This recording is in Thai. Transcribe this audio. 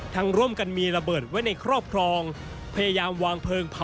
ทั้งร่วมกันมีระเบิดไว้ในครอบครอง